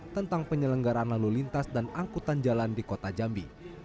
tentang penyelenggaran lalu lintas dan angkutan jalan di kota jambi